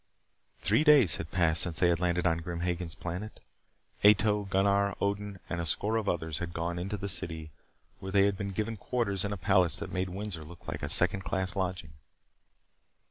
Three days had passed since they had landed on Grim Hagen's planet. Ato, Gunnar, Odin, and a score of others had gone into the city where they had been given quarters in a palace that made Windsor look like a second class lodging.